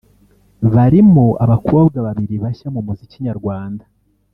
barimo abakobwa babiri bashya mu muziki nyarwanda